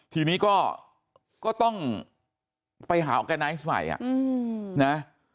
ทีนี้ก็ก็ต้องไปหาออร์แกนไซส์ใหม่อ่ะนะ